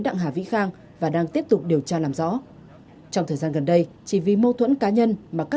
đăng hà vĩ khang sinh năm hai nghìn bốn chú phường bốn thành phố cà mau